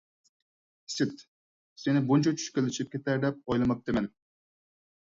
ئىسىت، سېنى بۇنچە چۈشكۈنلىشىپ كېتەر دەپ ئويلىماپتىمەن.